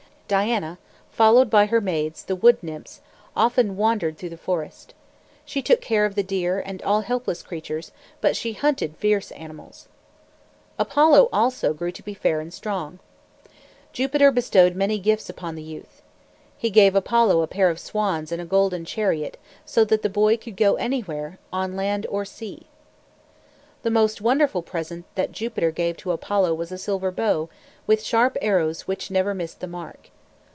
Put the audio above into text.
Diana, followed by her maids the wood nymphs, often wandered through the forest. She took care of the deer and all helpless creatures, but she hunted fierce animals. Apollo, also, grew to be fair and strong. Jupiter bestowed many gifts upon the youth. He gave Apollo a pair of swans and a golden chariot, so that the boy could go anywhere, on land or sea. The most wonderful present that Jupiter gave to Apollo was a silver bow, with sharp arrows which never missed the mark.